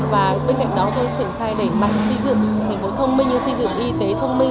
và bên cạnh đó tôi triển khai đẩy mạnh xây dựng thành phố thông minh như xây dựng y tế thông minh